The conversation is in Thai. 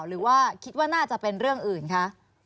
หรือว่าคิดว่าน่าจะเป็นเรื่องอื่นคะ